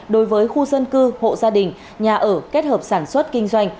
đối với khu dân cư hộ gia đình nhà ở kết hợp sản xuất kinh doanh